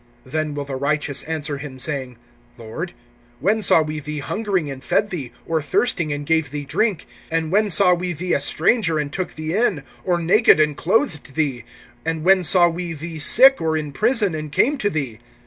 (37)Then will the righteous answer him, saying: Lord, when saw we thee hungering and fed thee, or thirsting and gave thee drink? (38)And when saw we thee a stranger and took thee in, or naked and clothed thee? (39)And when saw we thee sick, or in prison, and came to thee?